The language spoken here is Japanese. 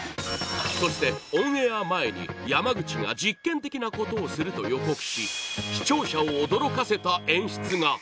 そして、オンエア前に山口が実験的なことをすると予告し視聴者を驚かせた演出が